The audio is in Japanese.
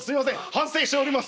反省しております。